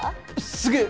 すげえ。